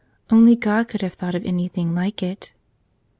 Only God could have thought of anything like it.